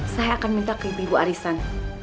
saya akan minta ke ibu ibu arisan